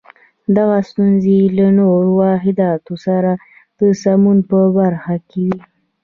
دغه ستونزې یې له نورو واحداتو سره د سمون په برخه کې وې.